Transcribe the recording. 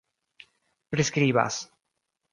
priskribas